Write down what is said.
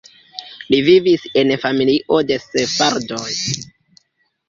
Li vivis en familio de sefardoj.